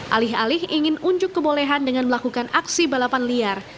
alih alih ingin unjuk kebolehan dengan melakukan aksi balapan liar